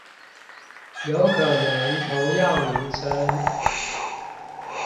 有可能同樣名稱